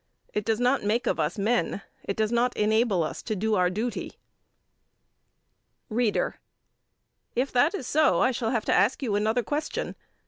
It does not make of us men. It does not enable us to do our duty. READER: If that is so, I shall have to ask you another question.